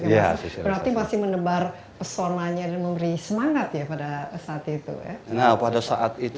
berarti masih menebar pesonanya dan memberi semangat ya pada saat itu